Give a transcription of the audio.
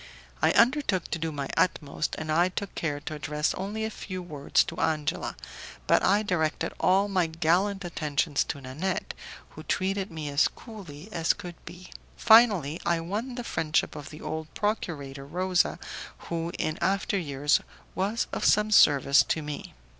I undertook to do my utmost, and I took care to address only a few words to Angela, but I directed all my gallant attentions to Nanette, who treated me as coolly as could be. Finally, I won the friendship of the old procurator Rosa, who, in after years, was of some service to me.